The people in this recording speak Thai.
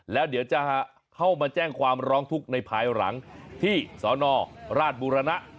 แล้วเดี๋ยวจะเข้ามาแจ้งความร้องทุกข์ในภายหลังที่สนราชบุรณะ